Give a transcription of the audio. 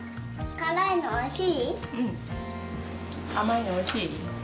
甘いのおいしい？